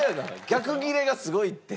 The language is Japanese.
逆ギレがすごいって。